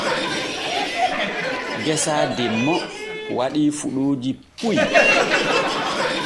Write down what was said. Geesa demmo waɗii fuɗooji puy.